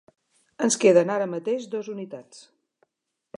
Ens queden ara mateix dos unitats.